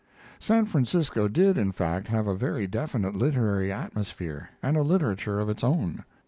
San Francisco did, in fact, have a very definite literary atmosphere and a literature of its own.